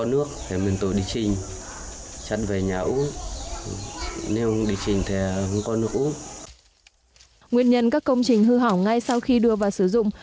nguyên nhân các công trình hư hỏng ngay sau khi đưa vào sử dụng